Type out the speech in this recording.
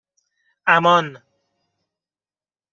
اَمان